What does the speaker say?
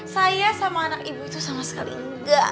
saya sama anak ibu itu sama sekali enggak